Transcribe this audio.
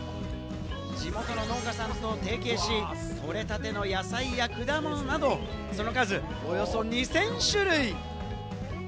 地元の農家さんと提携し、取れたての野菜や果物など、その数およそ２０００種類。